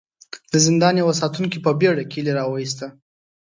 د زندان يوه ساتونکي په بېړه کيلې را وايسته.